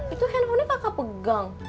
itu handphonenya kakak pegang